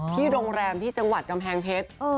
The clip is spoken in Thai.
ที่โรงแรมที่จังหวัดกำแพงเพชร